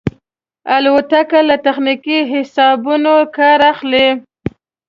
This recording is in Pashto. الوتکه له تخنیکي حسابونو کار اخلي.